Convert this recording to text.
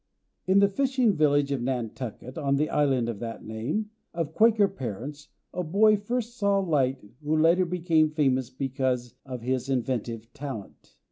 In the fishing village of Nantucket, on the island of that name, of Quaker parents, a boy first saw light who later became famous because of his inventive talent.